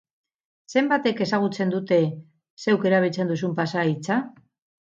Zenbatek ezagutzen dute zeuk erabiltzen duzun pasahitza?